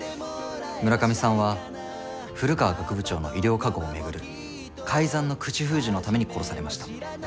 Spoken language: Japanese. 村上さんは古川学部長の医療過誤を巡る改ざんの口封じのために殺されました。